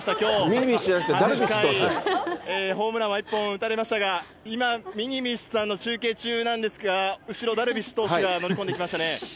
ミニビッシュが来て、ホームランは１本打たれましたが、今、ミニビッシュさんの中継中なんですが、後ろ、ダルビッシュ投手が乗り込んできましたね。